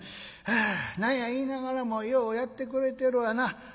何や言いながらもようやってくれてるわな。